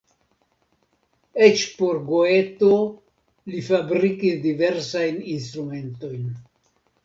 Eĉ por Goeto li fabrikis diversajn instrumentojn.